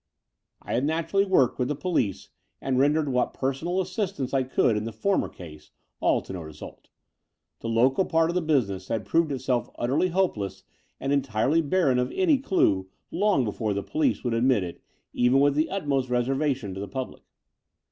I had naturally worked with the police and rendered what personal assistance I could in the former case, all to no result. The local part of the business had proved itself utterly hopeless and en tirely barren of any clue long before the police would admit it even with the utmost reservation to the public.